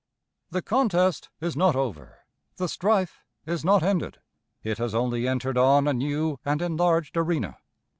The contest is not over, the strife is not ended. It has only entered on a new and enlarged arena.